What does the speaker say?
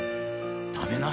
食べな。